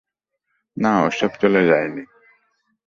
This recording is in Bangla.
না, ওসব চলে যায়নি।